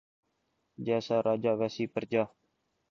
جیسا راجا ویسی پرجا